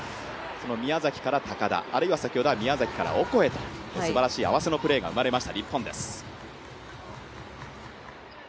宮崎から高田、あるいは先ほどは宮崎からオコエというすばらしい合わせのプレーが生まれました、日本です。